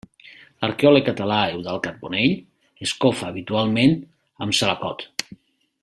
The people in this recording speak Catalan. L'arqueòleg català Eudald Carbonell es cofa habitualment amb salacot.